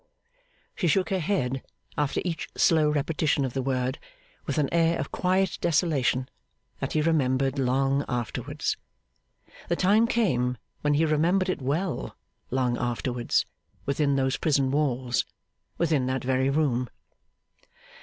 She shook her head, after each slow repetition of the word, with an air of quiet desolation that he remembered long afterwards. The time came when he remembered it well, long afterwards, within those prison walls; within that very room.